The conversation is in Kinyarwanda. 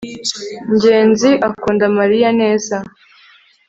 ngenzi akunda mariya? neza